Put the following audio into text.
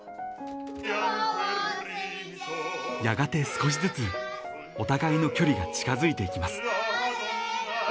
［やがて少しずつお互いの距離が近づいていきます］